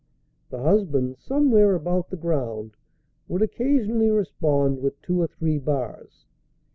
The husband, somewhere about the ground, would occasionally respond with two or three bars.